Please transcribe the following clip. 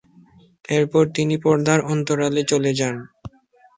এরপর তিনি পর্দার অন্তরালে চলে যান।